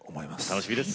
楽しみです。